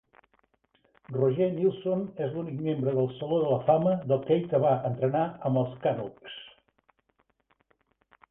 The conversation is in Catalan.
Roger Neilson és l'únic membre del Saló de la Fama d'Hoquei que va entrenar amb els Canucks.